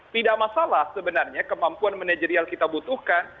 tidak masalah sebenarnya kemampuan manajerial kita butuhkan